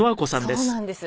そうなんです。